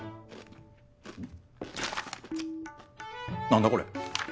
何だこれ。